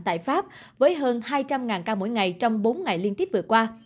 tại pháp với hơn hai trăm linh ca mỗi ngày trong bốn ngày liên tiếp vừa qua